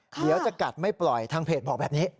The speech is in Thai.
เดี๋ยวจะกัดไม่ปล่อยทางเพจบอกแบบนี้